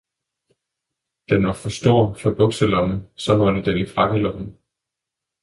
Den var for stor for bukselomme, så måtte den i frakkelomme.